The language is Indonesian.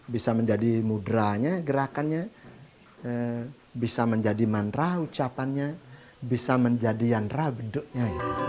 bisa menjadi mudranya gerakannya bisa menjadi mantra ucapannya bisa menjadi yandra bentuknya